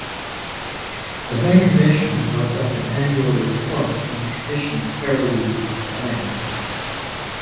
The High Commission draws up an annual report on the condition of Faroese society.